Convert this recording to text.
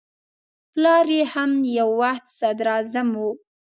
پلار یې هم یو وخت صدراعظم و.